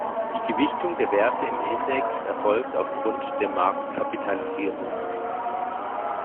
Die Gewichtung der Werte im Index erfolgt auf Grund der Marktkapitalisierung.